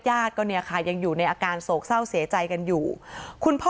ยาดก็ยังอยู่ในอาการโศกเศร้าเสียใจกันอยู่คุณพ่อ